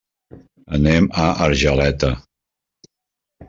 Anem a Argeleta.